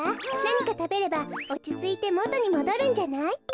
なにかたべればおちついてもとにもどるんじゃない？